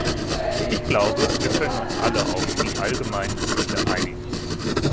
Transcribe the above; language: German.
Ich glaube, wir können uns alle auf die allgemeinen Ziele einigen.